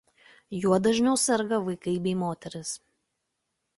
Juo dažniau serga vaikai bei moterys.